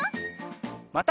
また。